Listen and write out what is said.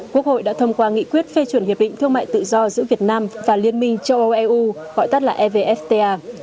quốc hội đã thông qua nghị quyết phê chuẩn hiệp định thương mại tự do giữa việt nam và liên minh châu âu eu gọi tắt là evfta